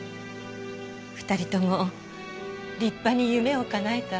２人とも立派に夢をかなえた。